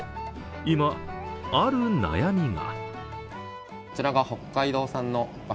今、ある悩みが。